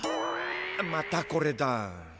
またこれだ。